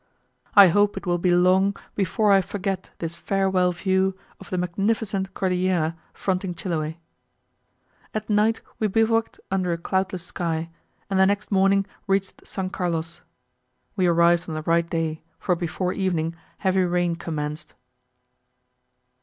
I hope it will be long before I forget this farewell view of the magnificent Cordillera fronting Chiloe. At night we bivouacked under a cloudless sky, and the next morning reached S. Carlos. We arrived on the right day, for before evening heavy rain commenced.